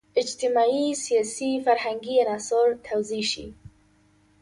اجتماعي، سیاسي، فرهنګي عناصر توضیح شي.